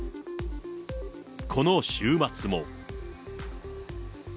この週末も。